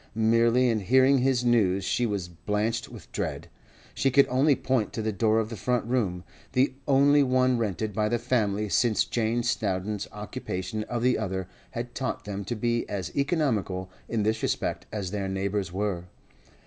Merely in hearing his news she was blanched with dread. She could only point to the door of the front room—the only one rented by the family since Jane Snowdon's occupation of the other had taught them to be as economical in this respect as their neighbours were.